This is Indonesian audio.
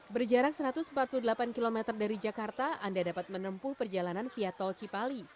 berjarak satu ratus empat puluh delapan km dari jakarta anda dapat menempuh perjalanan via tol cipali